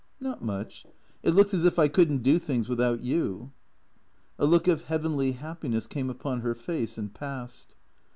ISFot much. It looks as if I could n't do things without you." A look of heavenly happiness came upon her face, and passed.